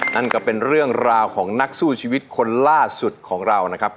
นั่นก็เป็นเรื่องราวของนักสู้ชีวิตคนล่าสุดของเรานะครับ